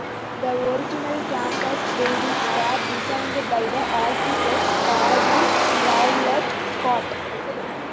The original campus buildings were designed by the architects Caudill-Rowlett-Scott.